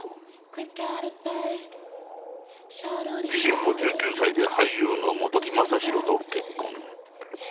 自身も１９歳で俳優の本木雅弘と結婚。